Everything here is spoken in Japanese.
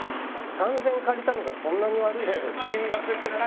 ３０００円借りたのがそんなに怒られる事ですか？